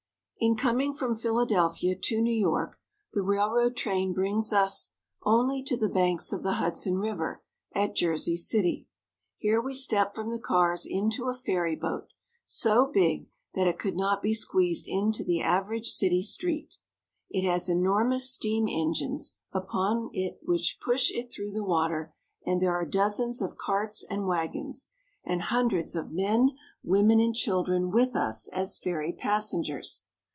IN coming from Philadelphia to New York, the railroad train brings us only to the banks of the Hudson River at Jersey City. Here we step from the cars into a ferry boat, so big that it could not be squeezed into the average city street. It has enormous steam engines upon 58 NEW YORK. A Ferryboat. it, which push it through the water, and there are dozens of carts and wagons, and hundreds of men, women, and children with us as ferry passengers.